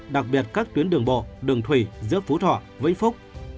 đặc biệt các tuyến đường bộ đường thủy giữa phú thọ vĩnh phúc